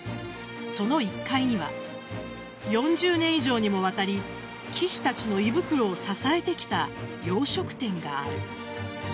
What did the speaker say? その１階には４０年以上にもわたり棋士たちの胃袋を支えてきた洋食店がある。